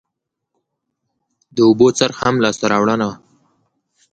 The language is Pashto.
د اوبو څرخ هم لاسته راوړنه وه